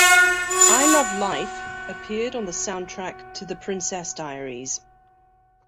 "I Love Life" appeared on the soundtrack to "The Princess Diaries".